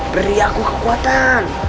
beri aku kekuatan